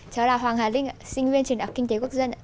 cháu là hoàng hà linh sinh viên trường đại học kinh tế quốc dân